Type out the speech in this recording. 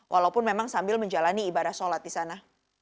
walaupun memang sambil menjalani ibadah sholat di sana